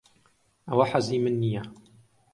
ئەوە حەزی من نییە.